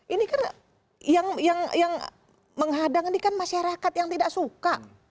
ini kan yang menghadang ini kan masyarakat yang tidak suka